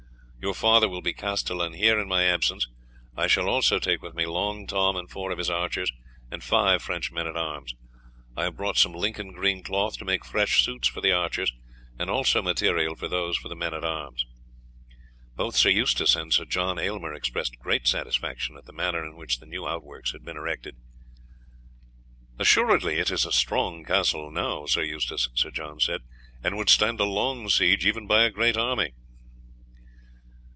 Your father will be castellan here in my absence. I shall also take with me Long Tom and four of his archers, and five French men at arms. I have brought some Lincoln green cloth to make fresh suits for the archers, and also material for those for the men at arms." Both Sir Eustace and Sir John Aylmer expressed great satisfaction at the manner in which the new outworks had been erected. "Assuredly it is a strong castle now, Sir Eustace," Sir John said, "and would stand a long siege even by a great army."